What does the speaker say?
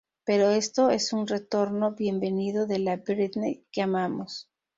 Pero esto es un retorno bienvenido de la Britney que amamos.